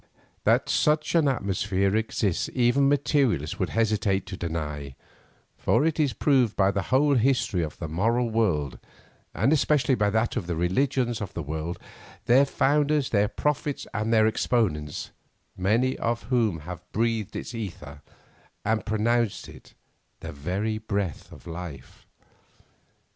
That such an atmosphere exists even materialists would hesitate to deny, for it is proved by the whole history of the moral world, and especially by that of the religions of the world, their founders, their prophets and their exponents, many of whom have breathed its ether, and pronounced it the very breath of life.